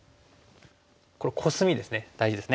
これコスミですね大事ですね。